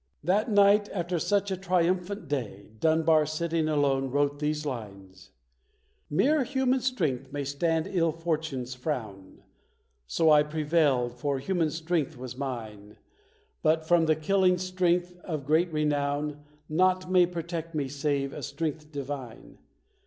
That night, after such a triumphant day, Dun bar, sitting alone, wrote these lines: Mere human strength may stand ill fortune's frown ; So I prevailed, for human strength was mine ; But from the killing strength of great renown Naught may protect me save a strength Divine.